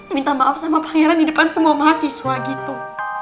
minta maaf sama pangeran di depan semua mahasiswa gitu